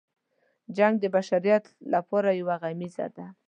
جنګ د بشریت لپاره یو غمیزه ده.